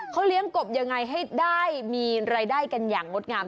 เขาเลี้ยงกบยังไงให้ได้มีรายได้กันอย่างงดงาม